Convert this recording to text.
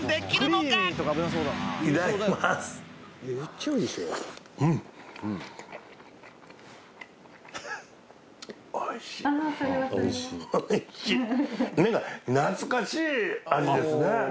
なんか懐かしい味ですね。